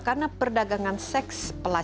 karena perdagangan seks pelajaran